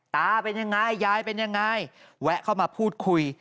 เป็นยังไงยายเป็นยังไงแวะเข้ามาพูดคุย